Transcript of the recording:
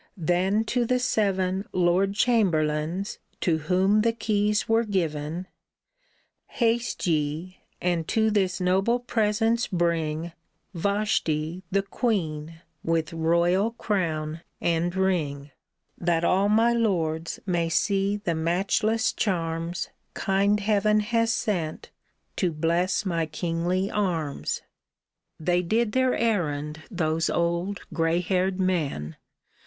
Then to the seven Lord chamberlains to whom the keys were given :Haste ye, and to this noble presence bring Vashti, the Queen, with royal crown and ring ; That all my lords may see the matchless charms Kind Heaven has sent to bless my kingly arms." They did their errand, those old, gray haired men.